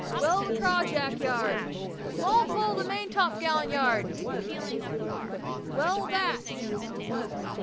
"Well the cross jack yard!" "Small pull the main top gallant yard!" "Well that!"